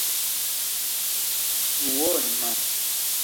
duono